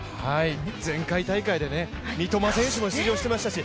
前回大会で三笘選手も出場していましたし